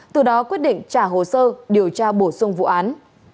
từ đó quyết định trả hồ sơ điều tra bổ sung vụ án